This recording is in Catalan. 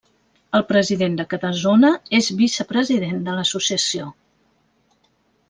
El president de cada zona és vicepresident de l'associació.